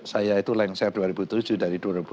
saya itu langsir dua ribu tujuh dari